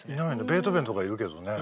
ベートーベンとかいるけどね。